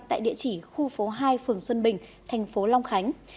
tại địa chỉ khu phố hai phường xuân bình thành phố long khánh